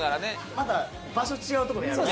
また場所違うとこでやろう。